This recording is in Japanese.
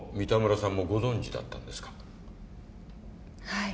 はい。